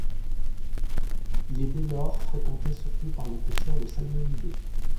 Il est dès lors fréquenté surtout par les pêcheurs de salmonidés.